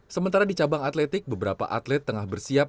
sementara di cabang atletik beberapa atlet tengah bersiap